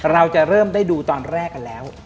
เราจะเริ่มได้ดูตอนแรกกันแล้ว